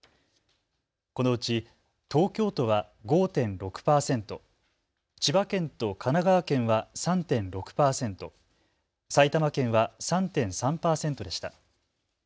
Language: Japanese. このうち東京都は５．６％、千葉県と神奈川県は３．６％、埼玉県は３．３％でした。